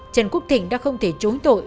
trần quốc thịnh đã không thể chối tội